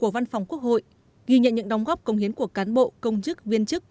văn phòng quốc hội ghi nhận những đóng góp công hiến của cán bộ công chức viên chức